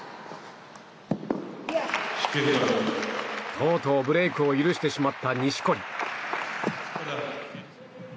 とうとうブレークを許してしまった錦織。